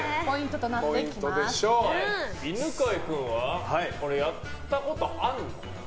犬飼君は、やったことあるの？